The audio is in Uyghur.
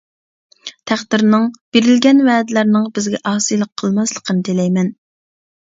(تەقدىرنىڭ، بېرىلگەن ۋەدىلەرنىڭ بىزگە ئاسىيلىق قىلماسلىقىنى تىلەيمەن) .